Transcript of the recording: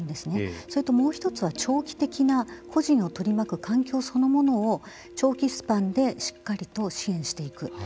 それともう一つは、長期的な個人を取り巻く環境そのものを長期スパンでしっかりと支援していく。